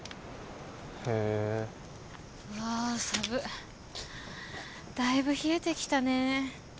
へえうわさぶっだいぶ冷えてきたね